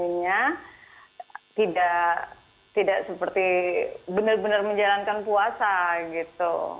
artinya tidak seperti benar benar menjalankan puasa gitu